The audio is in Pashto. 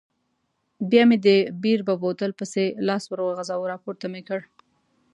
بیا مې د بیر په بوتل پسې لاس وروغځاوه، راپورته مې کړ.